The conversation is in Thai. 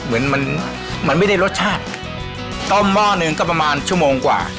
เหมือนมันมันไม่ได้รสชาติต้มหม้อหนึ่งก็ประมาณชั่วโมงกว่า